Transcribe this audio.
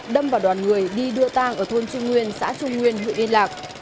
đâm vào đoàn người đi đưa tang ở thôn trung nguyên xã trung nguyên huyện yên lạc